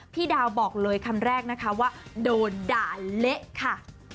พี่ดาวบอกเลยคำแรกนะคะว่าโดนด่าเละค่ะ